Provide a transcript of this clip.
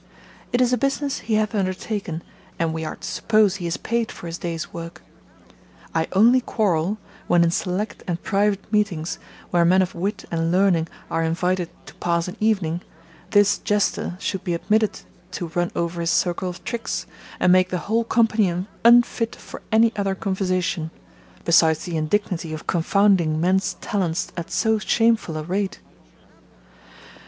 It is a business he hath undertaken, and we are to suppose he is paid for his day's work. I only quarrel, when in select and private meetings, where men of wit and learning are invited to pass an evening, this jester should be admitted to run over his circle of tricks, and make the whole company unfit for any other conversation, besides the indignity of confounding men's talents at so shameful a rate.